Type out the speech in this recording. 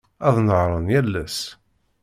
Ad nehhṛen yal ass.